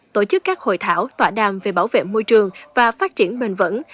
tổ chức các hội thảo tòa đàm về bảo vệ môi trường và phát triển bền vững